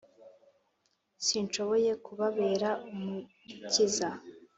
«Sinshoboye kubabera umukiza,